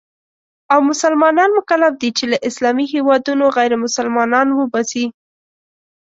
او مسلمانان مکلف دي چې له اسلامي هېوادونو غیرمسلمانان وباسي.